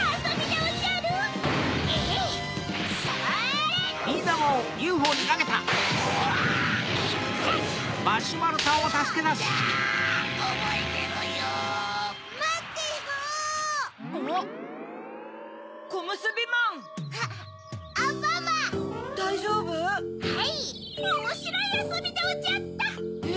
おもしろいあそびでおじゃった。え？